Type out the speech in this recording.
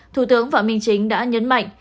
thủ tướng võ minh chính đã nhấn mạnh